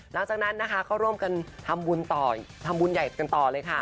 หลังจากนั้นนะคะเขาร่วมกันทำบุญใหญ่กันต่อเลยค่ะ